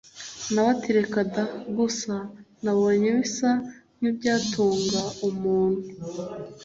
nawe ati reka da! gusa nabonye bisa nkibyatunga umuntu